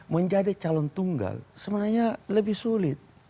menjadi calon tunggal sebenarnya lebih sulit